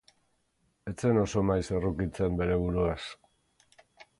Ez zen oso maiz errukitzen bere buruaz.